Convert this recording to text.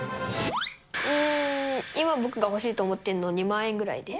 うーん、今僕が欲しいと思ってるのは、２万円ぐらいです。